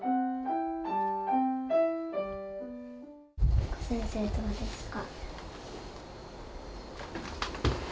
明子先生、どうですか。